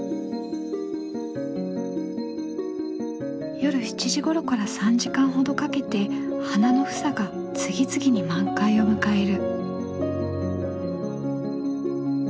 夜７時ごろから３時間ほどかけて花の房が次々に満開を迎える。